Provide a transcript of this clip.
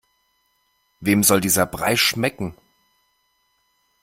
Wem soll dieser Brei schmecken?